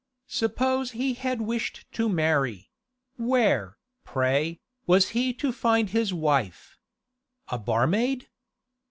Suppose he had wished to marry; where, pray, was he to find his wife? A barmaid?